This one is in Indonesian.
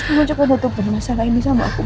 kamu jangan mencobanya masalah ini sama aku mas